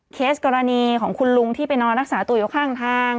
กรณีของคุณลุงที่ไปนอนรักษาตัวอยู่ข้างทาง